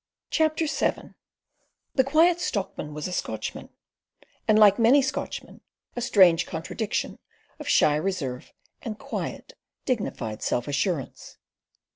CHAPTER VII The Quiet Stockman was a Scotchman, and, like many Scotchmen, a strange contradiction of shy reserve and quiet, dignified self assurance.